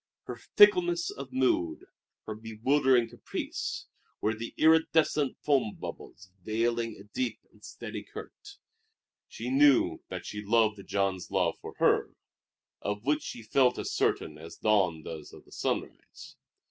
Her fickleness of mood, her bewildering caprice, were the iridescent foam bubbles veiling a deep and steady current. She knew that she loved Jean's love for her, of which she felt as certain as dawn does of the sunrise.